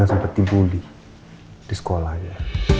ga sempet timbul di sekolahnya